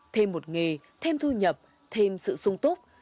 thêm một nghề thêm thu nhập thêm sự sung túc